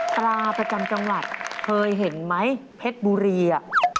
ภราประจำจังหวัดเคยเห็นไหมเพ็ดบลูกลูก